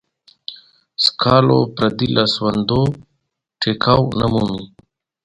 سکالو پردې لاسوندو ټيکاو نه مومي.